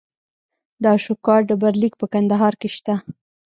د اشوکا ډبرلیک په کندهار کې شته